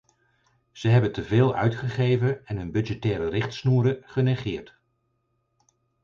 Ze hebben te veel uitgegeven en hun budgettaire richtsnoeren genegeerd.